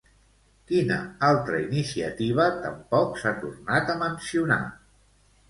Quina altra iniciativa tampoc s'ha tornat a mencionar?